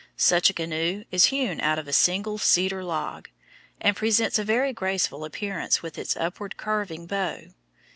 Such a canoe is hewn out of a single cedar log, and presents a very graceful appearance with its upward curving bow.